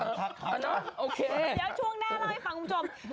เดี๋ยวช่วงหน้าเราให้ฟังคุณผู้ชม